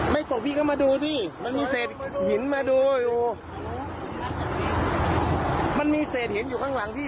กบพี่ก็มาดูสิมันมีเศษหินมาดูอยู่มันมีเศษหินอยู่ข้างหลังพี่